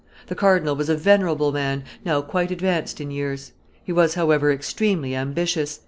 The cardinal was a venerable man, now quite advanced in years. He was, however, extremely ambitious.